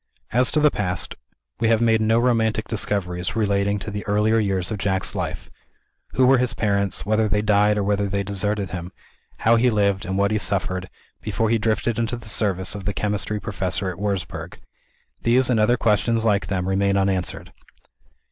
As to the past, we have made no romantic discoveries, relating to the earlier years of Jack's life. Who were his parents; whether they died or whether they deserted him; how he lived, and what he suffered, before he drifted into the service of the chemistry professor at Wurzburg these, and other questions like them, remain unanswered.